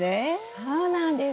そうなんです。